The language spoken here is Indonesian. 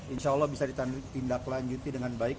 insya allah bisa ditindaklanjuti dengan baik